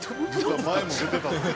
前も出てたんで。